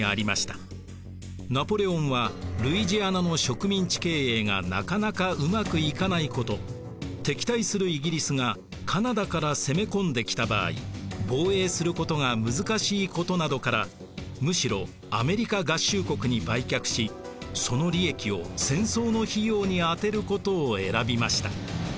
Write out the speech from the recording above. ナポレオンはルイジアナの植民地経営がなかなかうまくいかないこと敵対するイギリスがカナダから攻め込んできた場合防衛することが難しいことなどからむしろアメリカ合衆国に売却しその利益を戦争の費用に充てることを選びました。